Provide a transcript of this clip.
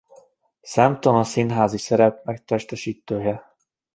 Számtalan színházi szerep megtestesítője.